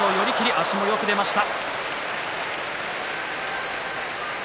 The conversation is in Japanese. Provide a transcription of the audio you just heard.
足もよく出ました。